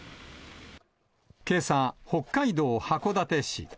けさ、北海道函館市。